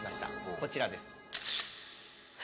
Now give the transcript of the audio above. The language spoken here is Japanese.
こちらです。